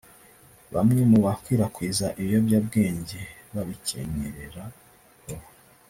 Bamwe mu bakwirakwiza ibiyobyabwenge babikenyerera ho